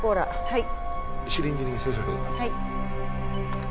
はい。